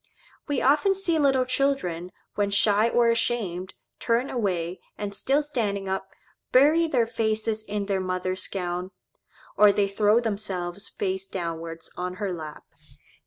We often see little children, when shy or ashamed, turn away, and still standing up, bury their faces in their mother's gown; or they throw themselves face downwards on her lap.